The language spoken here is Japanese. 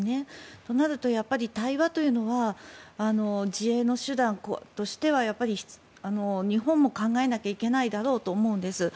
となると、対話というのは自衛の手段としてはやっぱり日本も考えなきゃいけないだろうと思うんです。